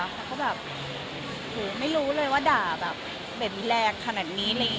เขาก็แบบโหไม่รู้เลยว่าด่าแบบแบบแรงขนาดนี้